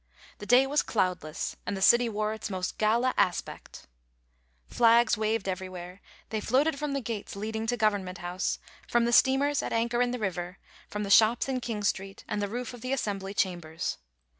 The day was cloudless, and the city wore its most gala aspect Flags waved everywhere ; they floated from the gates leading to Government House, from the steamers at anchor in the river, from the shops in King Street, and the roof of the Assembly Chambers.